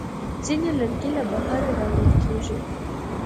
ځینې لرګي له بهره راوړل کېږي.